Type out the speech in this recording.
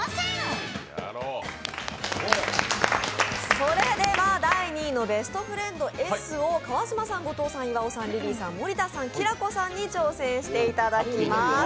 それでは、第２位の「ベストフレンドＳ」を川島さん、後藤さん、岩尾さんリリーさん、森田さん、きらこさんに遊んでいただきます。